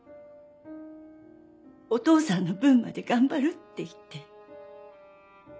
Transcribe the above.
お父さんの分まで頑張るって言って。